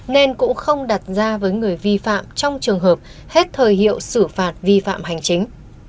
nên cũng không đặt ra với người vi phạm trong trường hợp hết thời hiệu xử phạt vi phạm hành chính